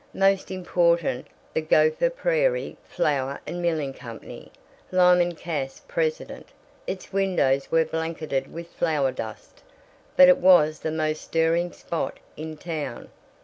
Most important, the Gopher Prairie Flour and Milling Company, Lyman Cass president. Its windows were blanketed with flour dust, but it was the most stirring spot in town.